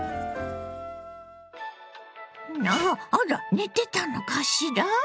あら寝てたのかしら？